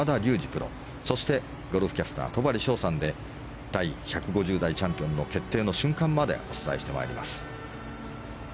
プロそして、ゴルフキャスター戸張捷さんで第１５０代チャンピオンの決定の瞬間までお伝えしてまいります。